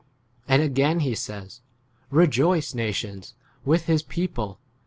10 And again he says, Rejoice, na 11 tions, with his people.